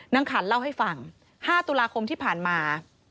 ขันเล่าให้ฟัง๕ตุลาคมที่ผ่านมา